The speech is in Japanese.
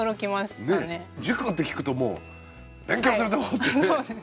塾なんて聞くともう「勉強するとこ」ってね。